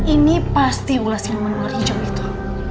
ini pasti ulas si luman ular hijau itu